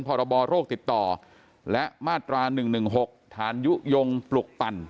พรบโรคติดต่อและมาตรา๑๑๖ฐานยุโยงปลุกปั่น